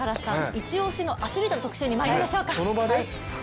一押しのアスリートの特集にまいりましょうか。